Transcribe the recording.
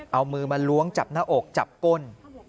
เอามือมาล้วงจับหน้าอกจับก้น